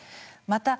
また、